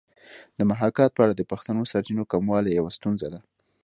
د محاکات په اړه د پښتو سرچینو کموالی یوه ستونزه ده